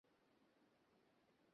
সে ঘুরে জবাবই দিচ্ছে না!